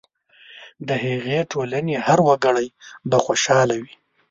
د هغې ټولنې هر وګړی به خوشاله وي.